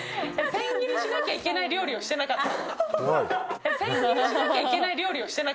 千切りしなきゃいけない料理をしてなかった。